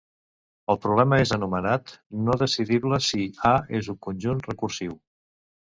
"El problema és anomenat no-decidible si ""A"" és un conjunt recursiu."